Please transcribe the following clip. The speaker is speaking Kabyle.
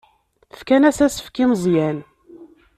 Fkan-as asefk i Meẓyan.